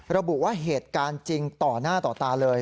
ระบุว่าเหตุการณ์จริงต่อหน้าต่อตาเลย